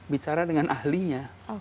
bicara dengan ahlinya